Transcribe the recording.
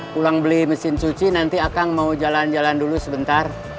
pulang beli mesin suci nanti akang mau jalan jalan dulu sebentar